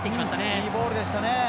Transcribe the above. いいボールでしたね。